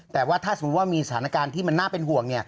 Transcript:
แต่ว่าถ้าสมมุติว่ามีสถานการณ์ที่มันน่าเป็นห่วง